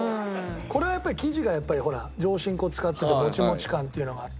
これは生地がやっぱりほら上新粉使っててもちもち感っていうのがあって。